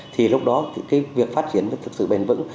thì lúc đó việc phát triển sẽ thực sự bền vững